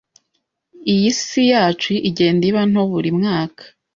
Isi yacu igenda iba nto buri mwaka.